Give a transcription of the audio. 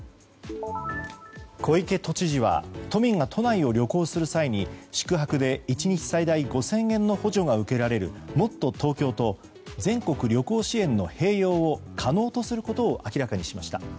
小池都知事は都民が都内を旅行する際に宿泊で１日最大５０００円の補助が受けられるもっとＴｏｋｙｏと全国旅行支援の併用を可能とすることを明らかにしました。